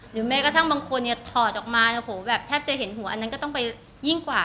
แม้กระทั่งบางคนเนี่ยถอดออกมาแบบแทบจะเห็นหัวอันนั้นก็ต้องไปยิ่งกว่า